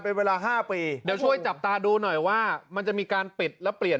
พี่เบิ๊ดแต่ว่ากรณีแบบนี้